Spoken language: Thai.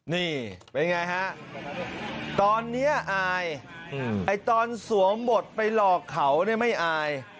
นี่เป็นไงฮะตอนนี้อายไอ้ตอนสวมบทไปหลอกเขาเนี่ยไม่อาย